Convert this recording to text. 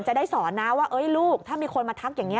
จะได้สอนนะว่าลูกถ้ามีคนมาทักอย่างนี้